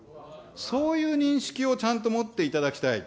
そういう認識をちゃんと持っていただきたい。